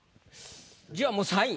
じゃあもう３位。